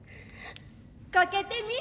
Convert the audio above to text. かけてみ。